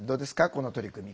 この取り組み。